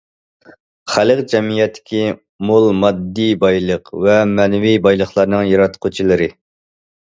خەلق جەمئىيەتتىكى مول ماددىي بايلىق ۋە مەنىۋى بايلىقلارنىڭ ياراتقۇچىلىرى.